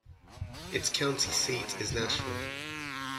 Its county seat is Nashville.